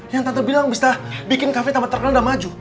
yang tante bilang bisa bikin kafe tanpa terkenal dan maju